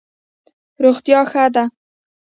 روغتیا ښه ده.